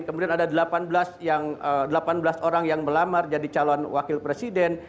kemudian ada delapan belas orang yang melamar jadi calon wakil presiden